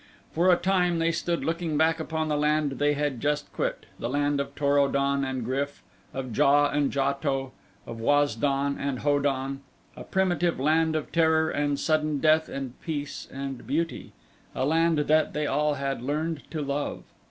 For a time they stood looking back upon the land they had just quit the land of Tor o don and GRYF; of JA and JATO; of Waz don and Ho don; a primitive land of terror and sudden death and peace and beauty; a land that they all had learned to love.